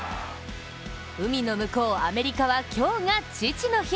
海の向こう、アメリカは今日が父の日。